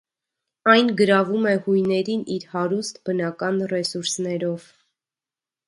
Այն գրավում է հույներին իր հարուստ բնական ռեսուրսներով։